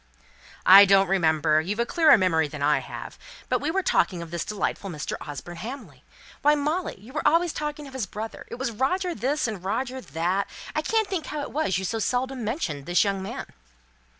"I don't remember. You've a clearer memory than I have. But we were talking of this delightful Mr. Osborne Hamley. Why, Molly, you were always talking of his brother it was Roger this, and Roger that I can't think how it was you so seldom mentioned this young man."